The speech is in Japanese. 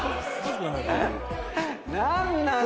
何なの？